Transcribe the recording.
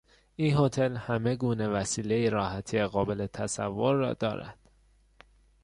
این هتل همه گونه وسیلهی راحتی قابل تصور را دارد.